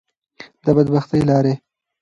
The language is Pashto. د بدبختی لارې.